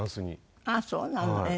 あっそうなの。